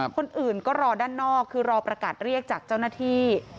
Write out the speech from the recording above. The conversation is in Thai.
คนอื่นก็รอด้านนอกคือรอประกาศเรียกจากเจ้าหน้าที่